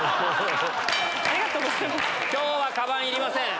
今日はカバンいりません。